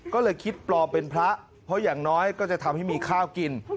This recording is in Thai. ก็เลยคิดปลอมเป็นพระเพราะอย่างน้อยก็จะทำให้มีข้าวกิน